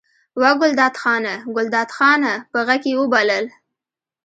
وه ګلداد خانه! ګلداد خانه! په غږ یې وبلل.